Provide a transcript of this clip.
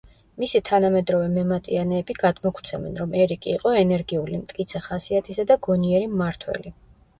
მისი თანამედროვე მემატიანეები გადმოგვცემენ, რომ ერიკი იყო ენერგიული, მტკიცე ხასიათისა და გონიერი მმართველი.